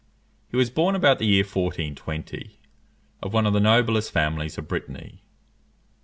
He was born about the year 1420, of one of the noblest families of Brittany.